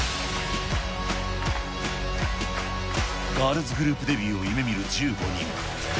ガールズグループデビューを夢みる１５人。